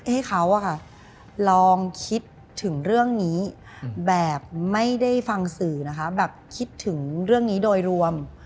ให้เขาลองคิดถึงเรื่องนี้แบบไม่ได้ฟังสื่อนะคะแบบคิดถึงเรื่องนี้โดยรวม